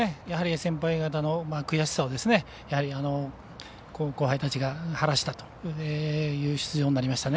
先輩方の悔しさを後輩たちが晴らしたという出場になりましたね。